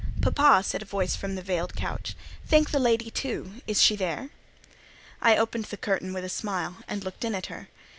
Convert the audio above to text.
"Papa," said a voice from the veiled couch, "thank the lady, too; is she there?" I opened the curtain with a smile, and looked in at her.